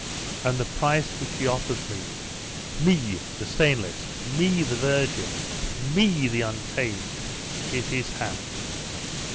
And the price which he offers me me, the stainless me, the virgin me, the un tamed, is his hand!